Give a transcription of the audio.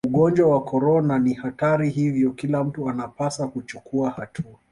ugonjwa wa korona ni hatari hivyo kila mtu anapasa kuchukua hatua